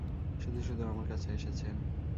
শুধু শুধু আমার কাছে এসেছেন।